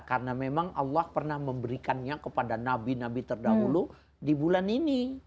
karena memang allah pernah memberikannya kepada nabi nabi terdahulu di bulan ini